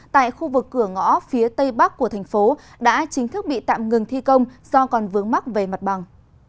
tại khu vực cửa ngõ phía tây bắc của thành phố đã chính thức bị tạm ngừng thi công do còn vướng mắc về mặt bằng